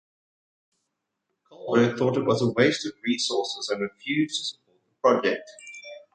Colbert thought it a waste of resources and refused to support the project.